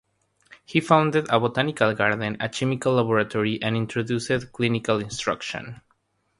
He founded a botanical garden, a chemical laboratory and introduced clinical instruction.